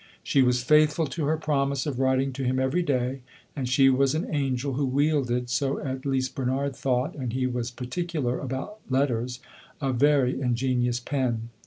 She was faithful to her promise of writing to him every day, and she was an angel who wielded so at least Bernard thought, and he was particular about letters a very ingenious pen.